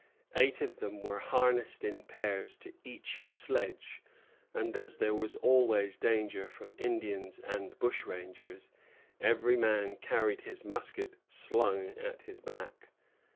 Eight of them were harnessed in pairs to each sledge; and as there was always danger from Indians and bushrangers, every man carried his musket slung at his back.